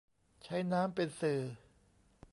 ใช้น้ำเป็นสื่อ